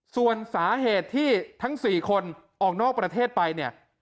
ส่วนสาเหตุที่ทั้ง๔คนออกนอกประเทศไปเนี่ย